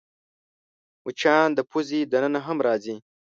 مچان د پوزې دننه هم راځي